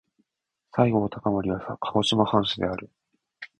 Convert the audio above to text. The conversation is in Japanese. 西郷隆盛は鹿児島藩士である。